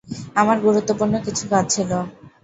আমার গুরুত্বপূর্ণ কিছু কাজ ছিলো।